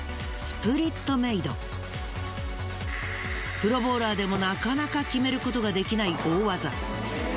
プロボウラーでもなかなか決めることができない大技。